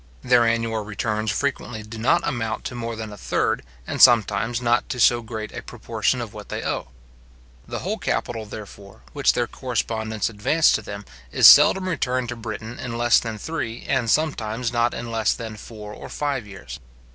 Their annual returns frequently do not amount to more than a third, and sometimes not to so great a proportion of what they owe. The whole capital, therefore, which their correspondents advance to them, is seldom returned to Britain in less than three, and sometimes not in less than four or five years.